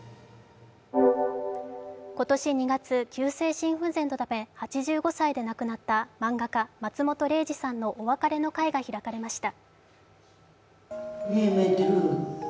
今年２月、急性心不全のため８５歳で亡くなった漫画家・松本零士さんのお別れ会が開かれました。